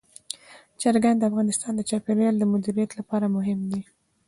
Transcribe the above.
چرګان د افغانستان د چاپیریال د مدیریت لپاره مهم دي.